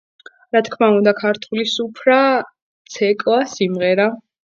რა თქმა უნდა, ქართული სუფრა, ცეკვა, სიმღერა...